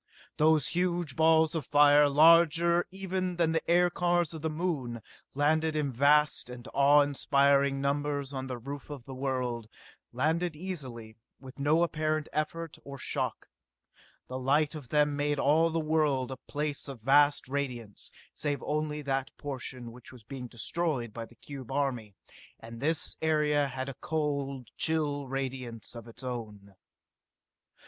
Those huge balls of fire, larger even than the aircars of the Moon, landed in vast and awe inspiring numbers on the roof of the world landed easily, with no apparent effort or shock. The light of them made all the world a place of vast radiance, save only that portion which was being destroyed by the cube army, and this area had a cold, chill radiance of its own.